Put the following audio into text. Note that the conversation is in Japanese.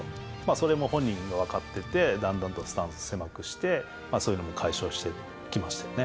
それも本人が分かってて、だんだんとスタンス狭くして、そういうのも解消してきましたよね。